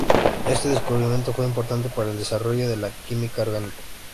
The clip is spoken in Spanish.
Este descubrimiento fue importante para el desarrollo de la química orgánica.